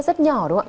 rất nhỏ đúng không ạ